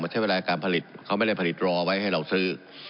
ใช้เวลาการผลิตเขาไม่ได้ผลิตรอไว้ให้เราซื้อ